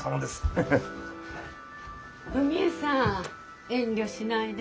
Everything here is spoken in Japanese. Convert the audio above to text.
フミエさん遠慮しないで。